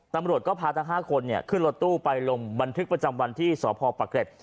ตำรวจก็พาทั้ง๕คนขึ้นรถตู้ไปลงบันทึกประจำวันที่สพปะเกร็ด